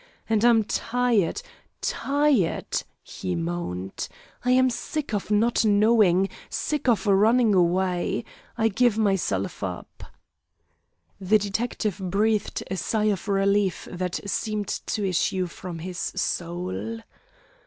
"And I'm tired tired," he moaned. "I am sick of not knowing, sick of running away. I give myself up." The detective breathed a sigh of relief that seemed to issue from his soul.